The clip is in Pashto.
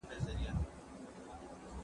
لوښي وچ کړه!